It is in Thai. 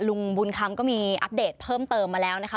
ลุงบุญคำก็มีอัปเดตเพิ่มเติมมาแล้วนะคะ